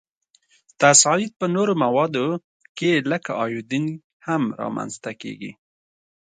تصعید په نورو موادو کې لکه ایودین هم را منځ ته کیږي.